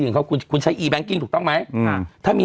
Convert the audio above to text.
อย่างเขาคุณคุณใช้อีแบงก์กิงถูกต้องไหมอืมอ่าถ้ามี